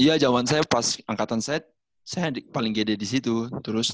iya jaman saya pas angkatan saya paling gede disitu terus